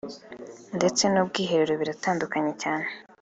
ndetse n’ubwiherero biratandukanye cyane